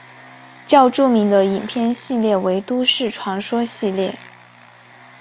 较著名的影片系列为都市传说系列。